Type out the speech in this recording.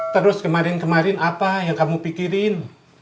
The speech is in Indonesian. terus kemarin kemarin apa yang kamu pikirin